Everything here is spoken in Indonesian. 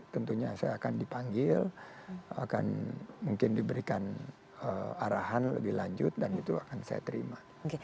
tentunya saya akan dipanggil akan mungkin diberikan arahan lebih lanjut dan itu akan saya terima